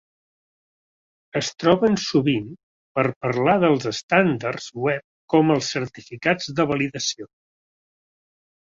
Es troben sovint per parlar dels estàndards web com els certificats de validació.